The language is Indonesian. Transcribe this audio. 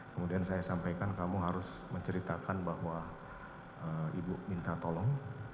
kemudian saya sampaikan kamu harus menceritakan bahwa ibu minta tolong